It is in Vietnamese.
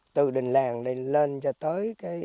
từ đình làng lên cho tới